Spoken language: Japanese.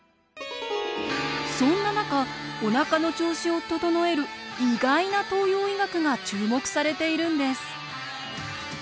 そんな中お腹の調子を整える意外な東洋医学が注目されているんです。